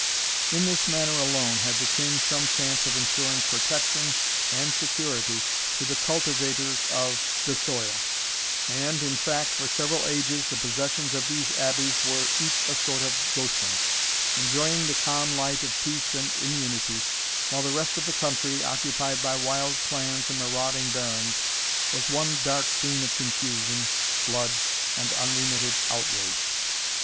In this manner alone had the King some chance of ensuring protection and security to the cultivators of the soil; and, in fact, for several ages the possessions of these Abbeys were each a sort of Goshen, enjoying the calm light of peace and immunity, while the rest of the country, occupied by wild clans and marauding barons, was one dark scene of confusion, blood, and unremitted outrage.